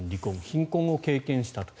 貧困を経験したと。